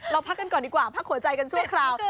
พักกันก่อนดีกว่าพักหัวใจกันชั่วคราว